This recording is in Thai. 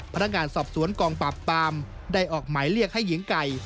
พนักงานสอบสวนกองปราบปามได้ออกหมายเรียกให้หญิงไก่